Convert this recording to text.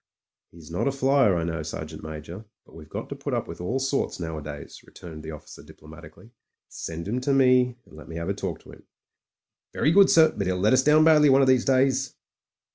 "He's not a flier, I know, Sergeant Major, but we've got to put up with all sorts nowadays," returned the officer diplomatically. "Send him to me, and let me have a talk to him." "Very good, sir; but 'e'll let us down badly one of these days."